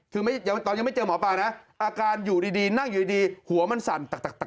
คือตอนยังไม่เจอหมอปลานะอาการอยู่ดีนั่งอยู่ดีหัวมันสั่น